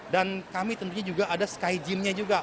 dan kami tentunya juga ada sky gym nya juga